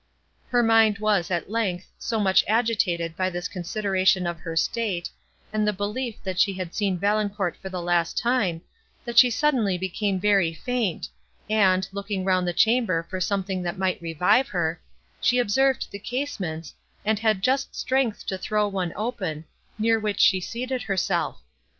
Her mind was, at length, so much agitated by the consideration of her state, and the belief, that she had seen Valancourt for the last time, that she suddenly became very faint, and, looking round the chamber for something, that might revive her, she observed the casements, and had just strength to throw one open, near which she seated herself.